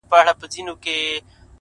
• تش په نامه دغه ديدار وچاته څه وركوي ـ